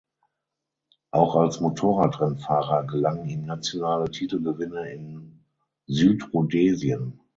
Auch als Motorradrennfahrer gelangen ihm nationale Titelgewinne in Südrhodesien.